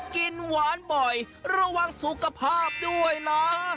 กินหวานบ่อยระวังสุขภาพด้วยนะ